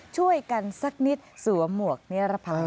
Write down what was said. ช่วยกันสักนิดสวมหมวกนิรภัย